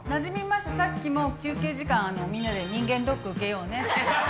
さっきも休憩時間みんなで人間ドック受けようねって。